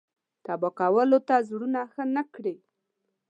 تبا کولو ته زړونه ښه نه کړي.